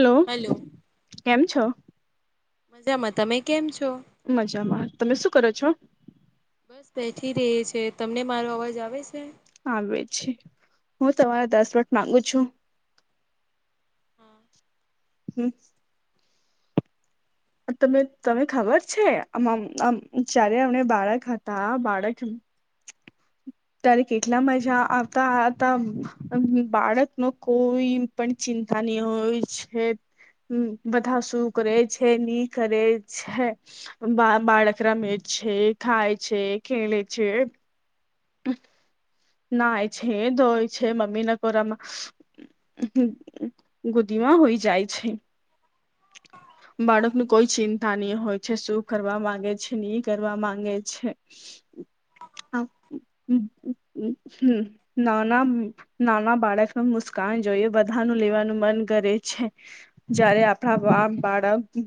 Hello કેમ છો? મજામાં તમે કેમ છો? મજામાં તમે શું કરો છો? બસ બેઠી ર છે તમને મારો અવાજ આવે છે? આવે છે હું તમારે દસ મટ માંગુ છું. હા. હમ્મ. તમે તમે ખબર છે આ જારે અમને બાળક હતા બાળક. ત્યારે કેટલા મજા આવતાતા બાળક ન કોઈ પણ ચિંતાની હોય છે. હમ બધા શું કરે છે? નીકરે છે. બા બાળક રમ છે ખાય છે ખેલે છે. [inaudible] નાય છે, ધોય હોય છે મમ્મી ના કોરામાં ગુદીમા હુંય જાય છે. બાળક ન કોઈ ચિંતા નહ હોય છે શું કરવા માંગે છે ની કરવા માંગે છે? હમ્મ. નાના નાના બાળકને મુસ્કાન જોઈએ બધાનું લેવાનું મન કરે છે. જયારે આપણા વા બાળક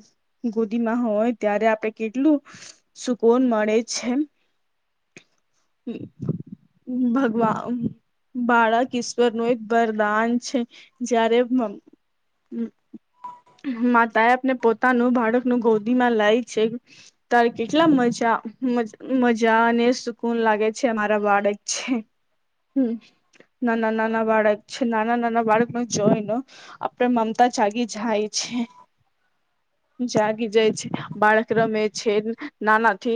ગુદીમાં હોય ત્યારે આપડણે કેટલું. સુકોન મળે છે. ભગવા બાળા ઈશ્વર નું એક વરદાન છે જ્યારે માતાએ આપને પોતાનું બાળકનું ગોદીમાં લાય છે. તારે કેટલા મજા મજા અને સુકૂન લાગે છે અમારા બાળક હમ નાના નાના બાળક નાના નાના બાળક ન જોઈને આપડે મમતા જાગી જાય છે. જાગી જાય છે બાળક્રમે છે, નાનાથી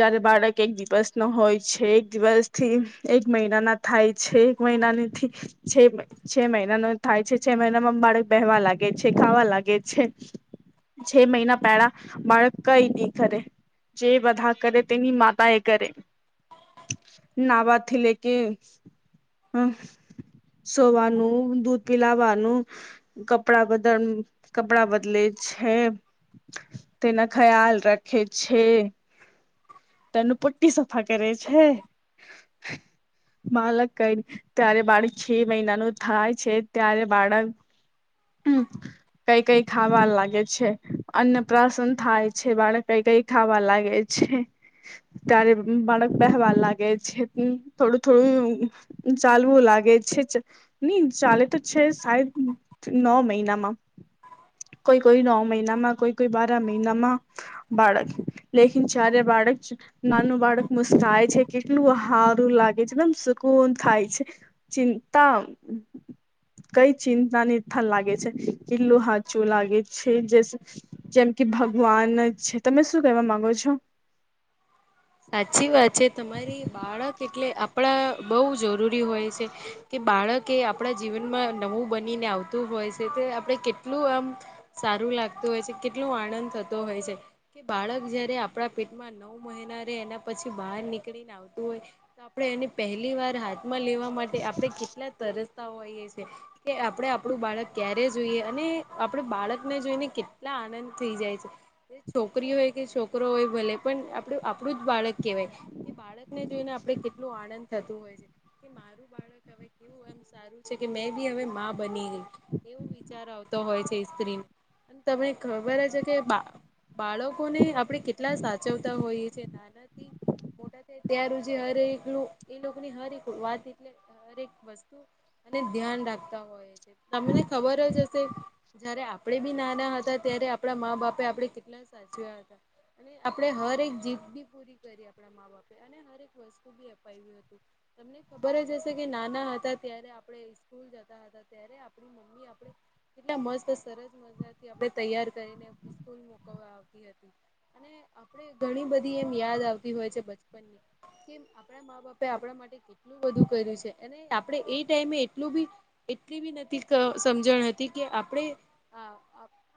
જયારે બાળક એક દિવસ નો હોય છે, એક દિવસ થી એક મહિના ના થાય છે એક મહિનાનીથી છે છે મહિના ન થાય છે છે મહિનામાં બાળક બેહેવા લાગે છે ખાવા લાગે છે છે મહિના પહેલા બાળક કઈ નહીં કરે જે બધા કરે તેની મા એક કર નાવા લ કે હમ સોવાનું દૂધ પિલાવાનું કપડા બદા કપડા બદલે છે તેના ખ્યાલ રાખે છે તેનું પટ્ટી સફા કરે છે માલક કઈ ત્યારે બાળક છે મહિનાનું થાય છે ત્યારે બાળક કઈ કઈ ખાવા લાગે છે અન્ન પ્રસન થાય છે બાળક કઈ કઈ ખાવા લાગે છે ત્યારે બાળક પહેવાર લાગે છે થોડું થોડું ચાલવું લાગે છે જ નઈ ચાલે તો છે સાહેદ નવ મહિનામાં કોઈ કોઈ નવ મહિનામાં કોઈ કોઈ બારા મહિનામાં બાળક લેકિન ચારે બાળક નાનું બાળક મુસ્કાય છે કે કેટલું સારું લાગે છે એકદમ સુકૂન થાય છે ચિંતા કઈ ચિંતા નિર્થાન લાગે છે કિલ્લું હાચું લાગે છે જે જેમ કે ભગવાન છે તમે શું કેવા માંગો છો સાચી વાત છે તમારી બાળક એટલે આપણા બહુ જરૂરી હોય છે કે બાળક એ આપણા જીવનમાં નવું બનીને આવતું હોય છે તે આપણે કેટલું આમ સારું લાગતું હોય છે કેટલું આનંદ થતો હોય છે કે બાળક જયારે આપણા પેટમાં નવ મહિના એના પછી બહાર નીકળીને આવતું હોય તો આપે એની પહેલી વાર હાથ માં લેવા માટે આપણે કેટલા તરસ્તાઓ આવીઈએ છીએ કે આપણે આપણું બાળક ક્યારે જોઈએ અને આપડ બાળકને જોઈને કેટલા આનંદ થઈ જાય છે છોકરી હોય કે છોકરો હોય ભલે પણ આપડ આપડું જ બાળક કહેવાય કે બાળકને જોઈને આપણે કેટલું આનંદ થતું હોય છે કે મારું બાળક હવે કેવું એમ સારું છે કે મેં બી હવે માં બની ગ એવું વિચાર આવતો હોય છે સ્ત્રી તમને ખબર હ છે કે બા બાળકોને આપણે કેટલા સાચવતા હોઈએ છેએ નાનાથી મોટા થાય ત્યારું જે હરેકું એ લોકોની હરેક વાત એટલે હરેક વસ્તુ અને ધ્યાન રાખતા હોય છે તમને ખબર જ હશે જયારે આપણેે બી નાના હતા ત્યારે આપણા મા બાપે આપણે કેટલા સાચ્યા હતા અને આપડે હર એક જીત બી પૂરી કરી આપણા મા બાપે અને હરક વસ્તુ તમને ખબર જ હશે કે નાના હતા ત્યારે આપણે સ્કૂલ જતા હતા ત આપણી મમ્મી આપણે કેટલા મસ્ત સરસ મજાથી આપે તૈયાર કરીને સ્કૂલ મોકવા આપણે ઘણી બધી એમ યાદ આવતી હોય છે બચપનની કે આપણા મા બાપે આપણા માટે કેટલું બધું કર્યું છે અને આપણે એ ટાઈમે એટલું બી એટલી બી નથી સમજણ હતી કે આપણે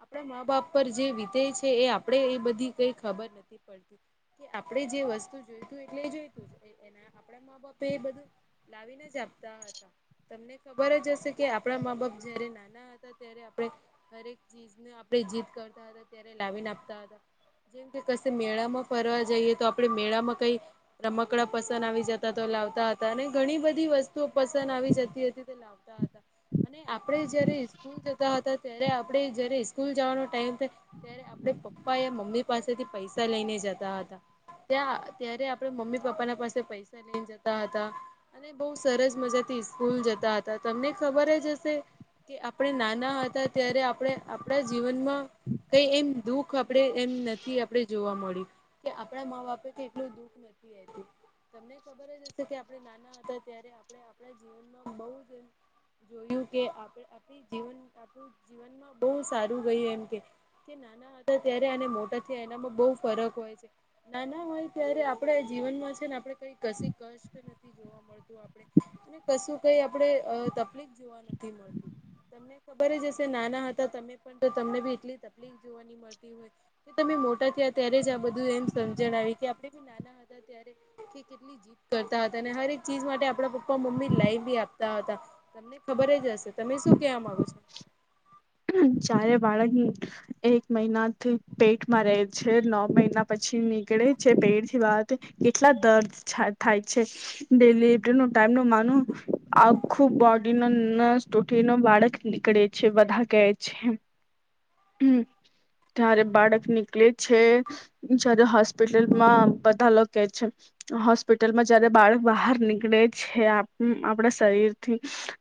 આપણા મા બાપ પર જે વિતેે છે એ આપણેે એ બધી કઈ ખબર નથી પડતી કે આપણેે જે વસ્તુ જોઈતું એટલે જોયતું એના આપણા મા બાપે એ બધું લાવીને જ આપતા હતા. તમને ખબર જ હશે કે આપણા મા બાપ જયારે નાના હતા. ત્યારે આપણે હરેક ચીજને આપણે જીદ કરતા હતા ત્યારે લાવીને આપતા હતા. જેમ કે કશે મેળામાં ફરવા જઈએ તો આપડે મેળામાં કઈ રમકડા પસંદ આવી જતા તો લાવતા હતા. અને ઘણી બધી વસ્તુઓ પસંદ આવી જતી હતી તે લાવ તા હતા. અને આપણે જયારે સ્કૂલ જતા હતા ત્યારે આપડે જયારે સ્કૂલ જવાનો ટાઈમ થાય. ત્યારે આપણે પપ્પા યા મમ્મી પાસેથી પૈસા લઈને જત તા હતા. ત્યાં ત્યારે આપડે મમ્મી પપ્પા ના પાસે પૈસા લઈ ને જતા હતા. અને બહુ સરસ મજા થી સ્કૂલ જતા હતા તમને ખબર જ હશે. કે આપણે નાના હતા ત્યારે આપણે આપણા જીવનમાં કઈ એમ દુઃખ આપણેે એમ નથી આપણે જોવા મળી. કે આપણા મા બાપે તો એટલું દુઃખ નથી હતું. તમને ખબર જ હશે કે આપણે નાના હતા ત્યારે આપણે આપ [inaudible] જીવનમાં બહુ સારું ગયું એમ કે કે કે નાના હતા ત્યારે અને મોટા થયા એનામાં બહુ ફરક હોય છે. નાના હોય ત્યારે આપડે જીવનમાં છે ને આપડે કઈ [unintelligible] મળતું આપણે અને કશું કઈ આપણે અ તકલીફ જોવા નથી મળતું. તમને ખબર જ હશે નાના હતા તમે પણ તો તમને બી એટલી તકલીફ જોવા ની મળ મળતી હોય તો તમે મોટા થયા ત્યારે જ આ બધું એમ સમજણ આવી કે આપણે જે નાના હતા ત્યારે કે કેટલી જીદ કરતા હતા અને હરે એક ચીજ માટે આપણા પપ્પા મમ્મી લાઈવ બી આપતા હતા. તમને ખબર જ હશે. તમે શું કેવા માંગો છો? હમ ચારે બાળકની એક મહિનાથી પેટમાં રહે છે. નવ મહિના પછી નીકળે છે પેટથી બહાર તો કેટલા દર્દ છા થાય છે. ડેલીનો ટાઈમ નો માનું આખું બોડી નો ન [unintelligible] ન બાળક નીકળે છે બધા કેહે છે એમ. હમ ત્યારે બાળક નીકલે છે. જ્યારે હોસ્પિટલમાં બધા લો કે છે. હોસ્પિટલમાં જયારે બાળક બહાર નીકળે છે. આપ આપણા શરીરથી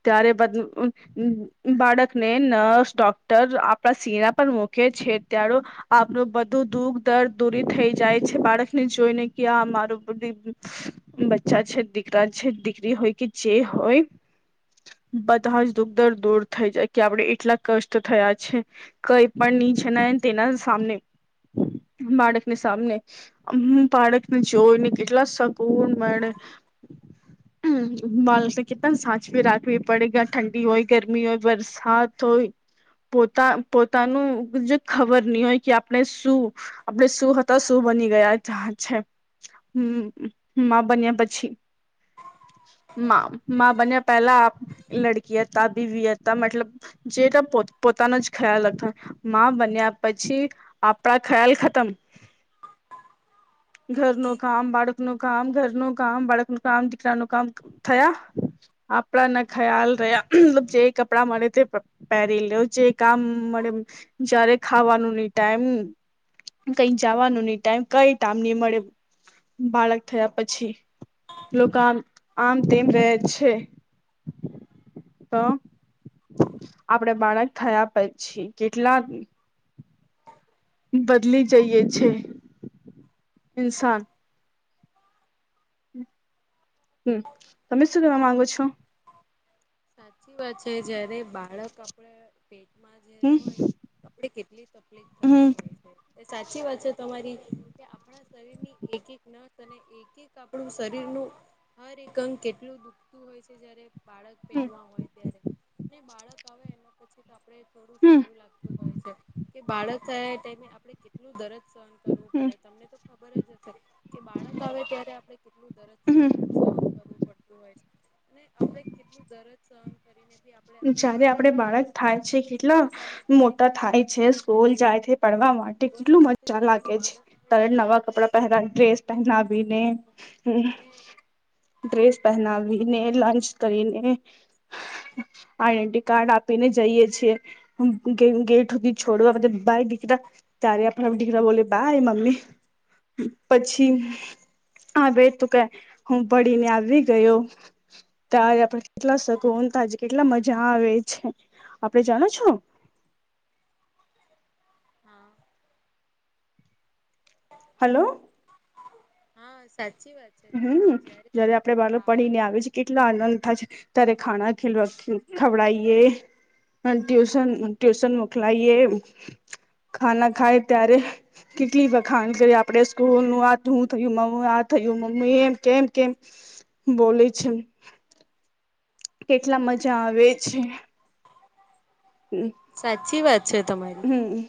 ત્યારે પછી બાળકને ન ડોક્ટર આપણા સિરા પર મૂકે છે ત્યારો આપણું બધું દુખ દર્દ દૂરી થઈ જાય છે બાળકને જોઈને ક્યા આ મારું બધ બચ્ચા છે, દીકરા છે, દીકરી હોય કે જે હોય. બધા જ દુખદર દૂર થઈ જાય કે આપડે એકલા કષ્ટ થયા છે. કઈ પણ નીચે ના એ તેના સામને બાળકને સામને આમ બાળકને જોઈને કેટલા સકૂન મળે. હમ માણ કેતા ને સાચવી રાખવી પડે ગ ઠંડી હોય, ગરમી હોય, વરસાત હોય. પોતા પોતાનું જે ખબર નહી હોય કે આપણે શું આપડે શું હતા, શું બની ગયા જા છે. હમ મા બન્યા પછી, મા મા બન્યા પહેલા આપ લડકી હતા, બીવી હતા મતલબ જેટ પો પોતાનો જ ખ્યાલ હતો. માં બન્યા પછી આપણા ખ્યાલ ખતમ. ઘરનુ કામ, બાળકનુ કામ, ઘરનુ કામ, બાળકનુ કામ, દીકરાનુ કામ. થયા, આપડાને ખ્યાલ રહ્યા. મતલબ જે કપડાં મળે તે પહેરી લો, જે કામ મળે જયારે ખાવાનું નઈ ટાઈમ કઈ જવાનું નહી ટાઈમ કઈ કામ ની મળે બાળક થયા પછી. લોકો આમ આમ તેમ રહે છે. તો આપણે બાળક થયા. પછી કેટલાક બદલી જઈએ છે ઇન્સાન હમ્મ તમે શું કેવા માંગો છો સાચી વાત છે જયારે બાળક આ પેટમાં જ્યારે હમ હોય આપણે કેટલી તકલીફ થતી હમ હોય છે. સાચી વાત છે તમારી કે આપણા શરીર ની એક એક નસ અને એક આપણું શરીર નું હર એક અંગ કેટલું દુખતું હોય છે જ્યારે હમ પેટમાં હોય ત્યારે બાળક આવે એના પછી તો આપણે થોડું હમ સારું લાગતું હોય છે કે બાળક થયા ટાઈમે આપણે કેટલું દરદ સહન કરવું હમ પડે તમને તો ખબર જ હશે કે બાળક આવે ત્યારે આપડ કેટલું દરજ હમ સહન પડતું હોય છે કેટલું દરદ સહન કરીને બી આપ જ્યારે આપડે બાળક થાય છે કેટલા જોતા હોય ત્યારે મોટા કેટલું થાય આનંદ છે થતો સ્કૂલ હોય જાય છે પડવા માટે ખબર જ કેટલું હશે મજા કે લાગે આપણું છે બાળક આવે તારે ત્યારે નવા આપણે કપડા પહેરા બહુ ડ્રેસ કઈ આનંદ પહેનાવીને થતો હોય. હમ તમે ડ્રેસ પહેનાવીને લંચ કરીને આઈડેન્ટિટી કાર્ડ આપીને જઈએ છીએ ગ ગેઠ સુધી છોડો આપ બાય ડેટા ત્યારે આપણા દીકરા બોલે બાય મમ્મી પછી હા બે ત કે હમ્મ પડીને આવી ગયો ત્યારે આપડ કેટલા શક તજ કેટલા મજા આવે છે આપડે જાણો છો હા [inaudible] હલો હા સાચી વાત છે હમ્મ તમારી જયારે આપડે બાળક પઢી ને આવી છે કેટલા આનંદ થાય છે ત્યારે ખાણા ખીલવા ખવડાયએ ટ્યુશન ટ્યુશન મોકલાયએ ખાના ખાય ત્યારે કેટલી વખાણ કરી આપડે સ્કૂલનું આ હું થયું મમ આ થયું હું એમ કેમ કેમ બોલી છ કેટલા મજા આવે છે હમ્મ સાચી વાત છે તમારી હમ્મ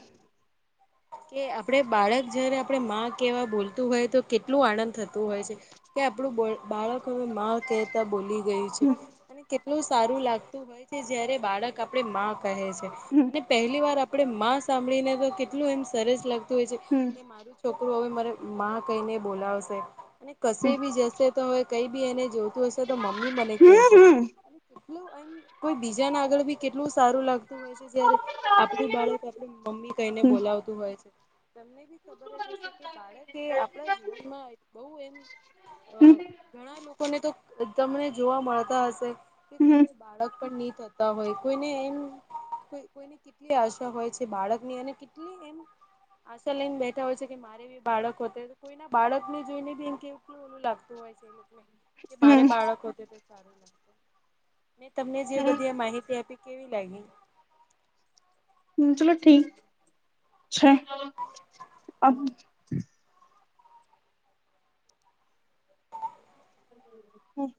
કે આપડ બાળક જયારે આપણે માં કેવા બોલતું હોય તો કેટલું આનંદ થતું હોય છે કે આપણું બાળક હવે માં કે બોલી ગય છે હમ અને કેટલું સારું લાગતું હોય છે જયારે બાળક આપે માં ક છે હમ અને પહેલી વાર આપે સાંભળીને તો કેટલું એમ સરસ લાગતું હોય છે હમ્મ કે મારું છોકરું હવે મારે માં કહીને બોલાવશે અને કશે બી જશે તો હવે કઈ બી એને જોતું હશે તો મમ્મી મને કશે હમ એટલું એમ કોઈ બીજાને આગળ બી કેટલું સારું લાગતું હોય છે જયારે આપડું બાળક આપડું મમ્મી કહીને બોલાવતું હોય છે તમને બી ખબર કે બાળકે આપણા જીવનમાં બહ એમ ઘણા લોકોને તો તમને જોવા મળતા હશે કે હમ કોઈને બાળક પણ નહી થત હોય કોઈને એમ કોઈને કેટલી આશા હોય છે બાળકની અને કેટલી એમ આશા લઈને બેઠા હોય છે કે મારે બી બાળકો હો કોઈ ના બાળક ને જોઈને બી એમ કેવલું ઓલું લાગતું હોય [inaudible] તે મારે હમ બાળક તે સારું લાગ મે તમને જે બધી માહિતી આપી કેવી લાયગી હમ્મ ચલો ઠીક છે હમ્મ